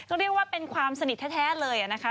ก็เรียกว่าเป็นความสนิทแท้เลยนะคะ